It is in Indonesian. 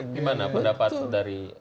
gimana pendapat dari